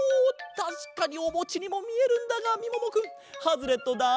たしかにおもちにもみえるんだがみももくんハズレットだ！